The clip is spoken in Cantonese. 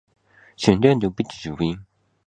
清明時節雨紛紛